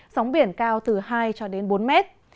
sóng biển cao từ hai cho đến bốn mét